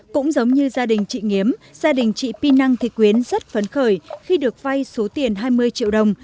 cũng giống như gia đình chị nhiếm gia đình chị pi năng thị quyến rất phấn khởi khi được vay số tiền hai mươi triệu đồng